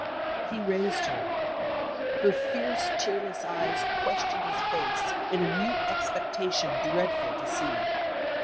He raised her. Her fierce tearless eyes questioned his face in a mute expectation dreadful to see.